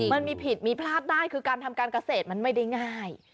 มันมีผิดมีพลาดได้คือการทำการเกษตรมันไม่ได้ง่าย